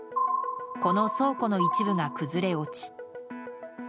この倉庫の一部が崩れ落ち。